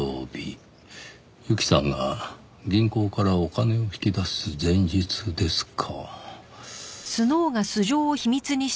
侑希さんが銀行からお金を引き出す前日ですか。